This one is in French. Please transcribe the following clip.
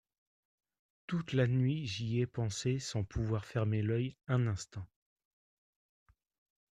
Toute la nuit j’y ai pensé sans pouvoir fermer l’œil un instant.